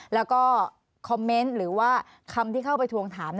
แล้วก็คอมเมนต์หรือว่าคำที่เข้าไปทวงถาม